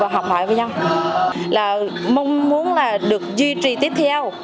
học hỏi với nhau là mong muốn là được duy trì tiếp theo